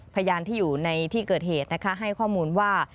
พยานที่อยู่ในที่เกิดเหตุนะคะให้ข้อมูลว่า